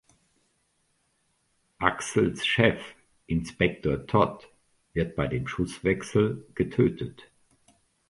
Axels Chef, Inspektor Todd, wird bei dem Schusswechsel getötet.